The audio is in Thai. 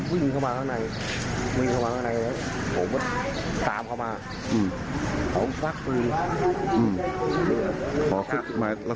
วิ่งหนีออกไป